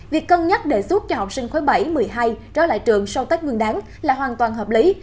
vì hay trở lại trường sau tết nguyên đáng là hoàn toàn hợp lý